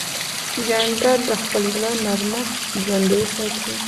جانداد د خپل زړه نرمښت ژوندی ساتي.